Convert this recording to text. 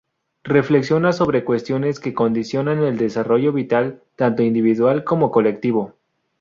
Reflexiona sobre cuestiones que condicionan el desarrollo vital, tanto individual como colectivo.